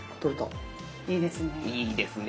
いいですね。